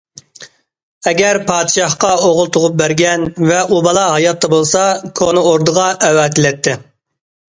ئەگەر پادىشاھقا ئوغۇل تۇغۇپ بەرگەن ۋە ئۇ بالا ھاياتتا بولسا، كونا ئوردىغا ئەۋەتىلەتتى.